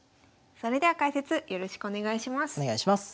それでは解説よろしくお願いします。